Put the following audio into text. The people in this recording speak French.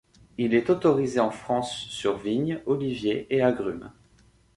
Il est autorisé en France sur vigne, oliviers et agrumes.